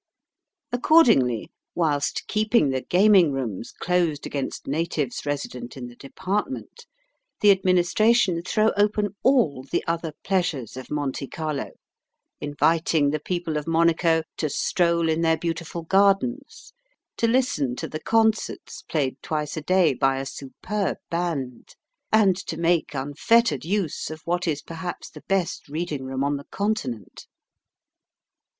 Accordingly, whilst keeping the gaming rooms closed against natives resident in the department, the Administration throw open all the other pleasures of Monte Carlo, inviting the people of Monaco to stroll in their beautiful gardens, to listen to the concerts played twice a day by a superb band, and to make unfettered use of what is perhaps the best reading room on the Continent.